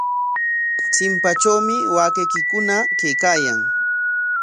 Chimpatrawmi waakaykikuna kaykaayan.